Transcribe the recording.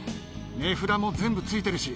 値札も全部付いてるし。